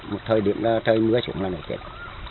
một thời điểm là trời mưa trùng là nó chết